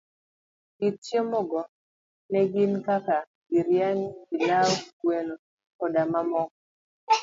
Kit chiemo go ne gin kaka biriani, pilau, gweno koda mamoko.